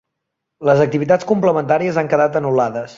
Les activitats complementàries han quedat anul·lades.